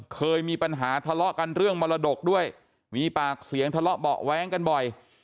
เคยมีปัญหาทะเลาะกันเรื่องมรดกด้วยมีปากเสียงทะเลาะเบาะแว้งกันบ่อย